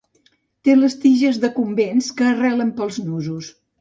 Té les tiges decumbents, que arrelen pels nusos.